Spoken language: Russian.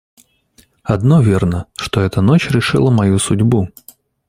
Одно верно, что эта ночь решила мою судьбу.